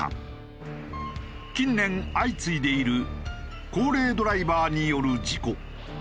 近年相次いでいる高齢ドライバーによる事故。